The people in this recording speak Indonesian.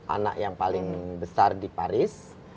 anak yang paling besar di paris